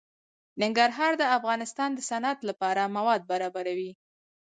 ننګرهار د افغانستان د صنعت لپاره مواد برابروي.